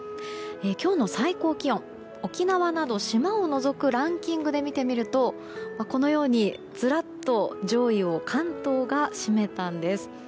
今日の最高気温沖縄など島を除くランキングで見てみるとこのようにずらっと上位を関東が占めたんです。